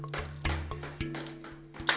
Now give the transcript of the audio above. tidak terlalu berhasil